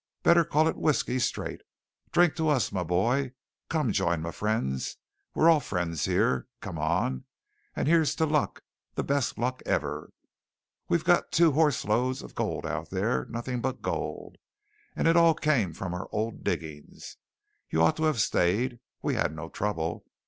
Better call it whiskey straight. Drink to us, my boy! Come, join my friends! We're all friends here! Come on, and here's to luck, the best luck ever! We've got two horse loads of gold out there nothing but gold and it all came from our old diggings. You ought to have stayed. We had no trouble.